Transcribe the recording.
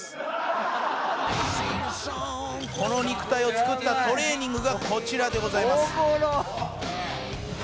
「この肉体を作ったトレーニングがこちらでございます」